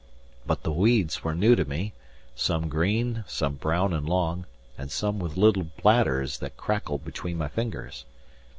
But the weeds were new to me some green, some brown and long, and some with little bladders that crackled between my fingers.